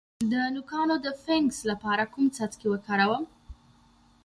د نوکانو د فنګس لپاره کوم څاڅکي وکاروم؟